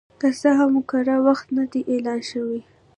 که څه هم کره وخت نه دی اعلان شوی